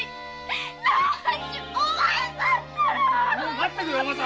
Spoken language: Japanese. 待ってくれお政。